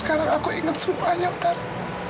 sekarang aku ingat semuanya otara